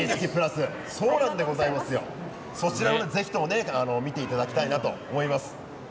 そちらも、ぜひとも見ていただきたいと思います。